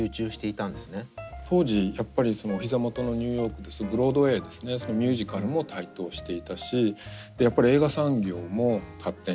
当時やっぱりお膝元のニューヨークですとブロードウェイですねミュージカルも台頭していたしやっぱり映画産業も発展してった。